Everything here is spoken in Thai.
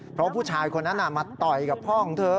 เพราะผู้ชายคนนั้นมาต่อยกับพ่อของเธอ